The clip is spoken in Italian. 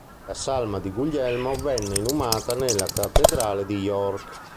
La salma di Guglielmo venne inumata nella Cattedrale di York.